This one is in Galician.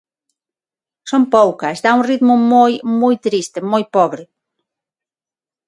Son poucas, dá un ritmo moi, moi triste, moi pobre.